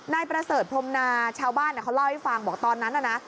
นายประเสริฐพรมนาชาวบ้านเขาเล่าให้ฟังบอกตอนนั้นน่ะนะ